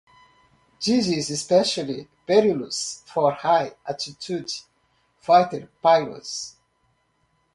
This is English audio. This is especially perilous for high-altitude fighter pilots.